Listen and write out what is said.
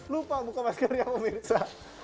lupa buka maskernya pemirsa